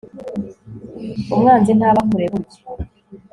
umwanzi ntaba kure burya